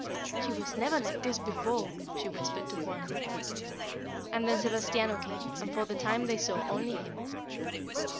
"She was never like this before," she whispered to Juan. And then Sebastiano came, and for the time they saw only him.